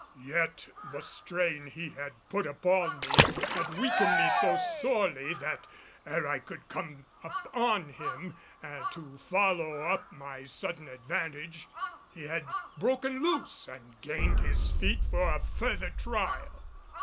Yet the strain he had put upon me had weakened me so sorely that, ere I could come upon him to follow up my sudden advantage, he had broken loose and gained his feet for a further trial.